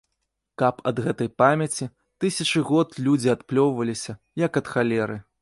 Каб ад гэтай памяці тысячы год людзі адплёўваліся, як ад халеры.